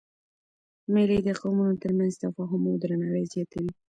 مېلې د قومونو تر منځ تفاهم او درناوی زیاتوي.